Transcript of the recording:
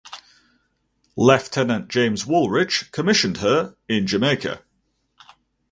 Lieutenant James Woolridge commissioned her in Jamaica.